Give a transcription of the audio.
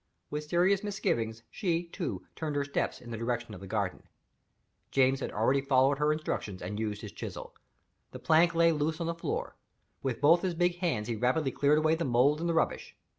With serious misgivings, she, too, turned her steps in the direction of the garden. James had already followed her instructions and used his chisel. The plank lay loose on the floor. With both his big hands he rapidly cleared away the mould and the rubbish.